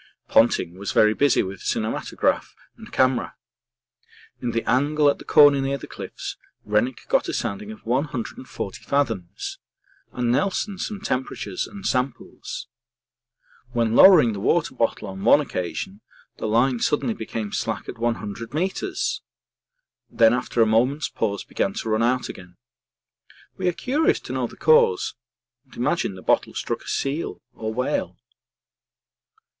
Ponting was very busy with cinematograph and camera. In the angle at the corner near the cliffs Rennick got a sounding of 140 fathoms and Nelson some temperatures and samples. When lowering the water bottle on one occasion the line suddenly became slack at 100 metres, then after a moment's pause began to run out again. We are curious to know the cause, and imagine the bottle struck a seal or whale.